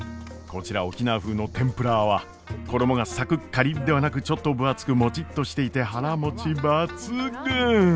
こちら沖縄風のてんぷらーは衣がサクッカリッではなくちょっと分厚くもちっとしていて腹もち抜群！